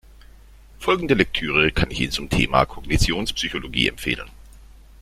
Folgende Lektüre kann ich Ihnen zum Thema Kognitionspsychologie empfehlen.